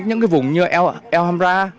những cái vùng như el hombra